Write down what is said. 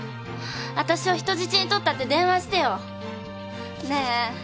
わたしを人質に取ったって電話してよ！